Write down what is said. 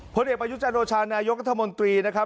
ผู้เด็กอายุจันโรชานายกรรภ์มนตรีนะครับ